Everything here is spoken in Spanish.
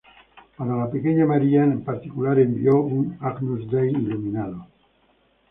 Para la pequeña María, en particular, envió un Agnus Dei iluminado.